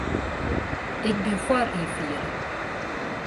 Ik bin foar ynfiering.